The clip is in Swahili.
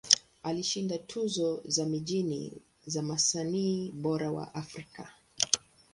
Alishinda tuzo za mijini za Msanii Bora wa Afrika.